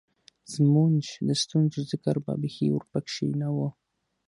زمونږ د ستونزو ذکــــــر به بېخي ورپکښې نۀ وۀ